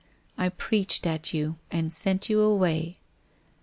I preached at you and sent you away.